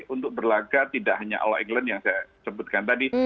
untuk berlagak tidak hanya all england yang saya sebutkan tadi